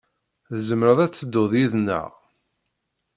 Tzemreḍ ad tedduḍ yid-neɣ.